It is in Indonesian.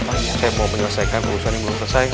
saya mau menyelesaikan urusan yang belum selesai